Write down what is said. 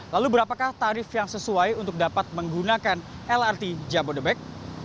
lalu berapakah tarif yang sesuai untuk dapat menggunakan lrt jabodebek